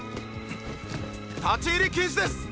立ち入り禁止です。